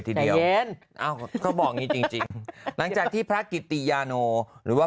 ทีเดียวเย็นอ้าวเขาบอกอย่างงี้จริงจริงหลังจากที่พระกิติยาโนหรือว่า